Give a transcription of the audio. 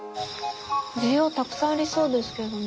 需要たくさんありそうですけどね。